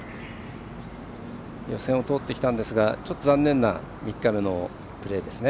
予選を通ってきたんですがちょっと残念な３日目のプレーですね。